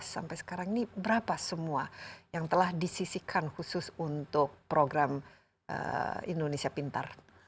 sampai sekarang ini berapa semua yang telah disisikan khusus untuk program indonesia pintar